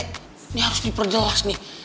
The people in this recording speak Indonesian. ini harus diperjelas nih